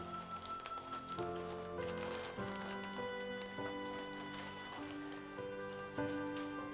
tak ada bangunan yang teknik untuk tim panjang